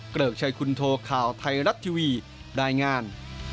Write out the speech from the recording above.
เกริกชัยคุณโทข่าวไทยรัฐทีวีรายงาน